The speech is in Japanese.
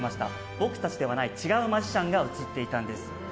僕たちではない違うマジシャンが映っていたんです。